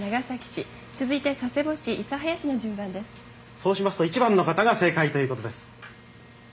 そうしますと１番の方が正解ということです。